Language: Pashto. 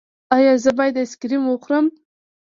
ایا زه باید آیسکریم وخورم؟